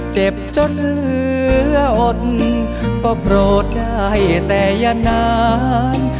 เจ็บจนเหลืออดก็โปรดได้แต่อย่านาน